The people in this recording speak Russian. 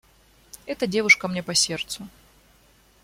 Эта девушка мне по сердцу.